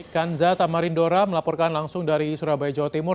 kanza tamarindora melaporkan langsung dari surabaya jawa timur